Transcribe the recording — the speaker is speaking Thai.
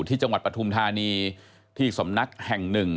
ที่จังหวัดปฐุมธานีที่สำนักแห่งหนึ่ง